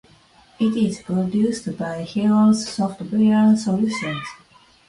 It is produced by Helios Software Solutions.